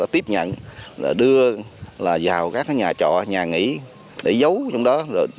tiếp nhận đưa vào các nhà trọ nhà nghỉ để giấu trong đó